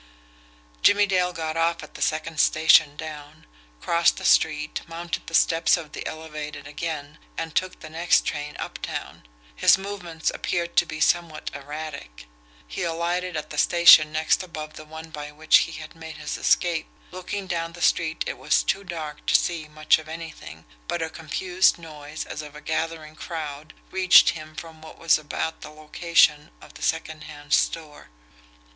Jimmie Dale got off at the second station down, crossed the street, mounted the steps of the elevated again, and took the next train uptown. His movements appeared to be somewhat erratic he alighted at the station next above the one by which he had made his escape. Looking down the street it was too dark to see much of anything, but a confused noise as of a gathering crowd reached him from what was about the location of the secondhand store.